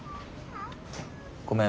ごめん。